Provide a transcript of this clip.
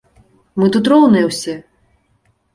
Мы тут роўныя ўсе!